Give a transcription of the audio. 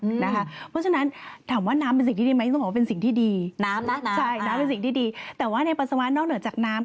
เพราะฉะนั้นถามว่าน้ำเป็นสิ่งที่ดีไหม